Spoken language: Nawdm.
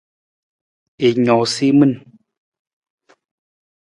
I noosa i min.